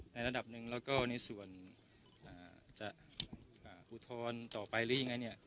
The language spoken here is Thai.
ระดับหนึ่งแล้วก็ในส่วนจะอุทธรณ์ต่อไปหรือยังไงเนี่ย